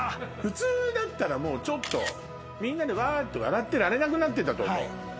普通だったらもうちょっとみんなでわーって笑ってられなくなってたと思う。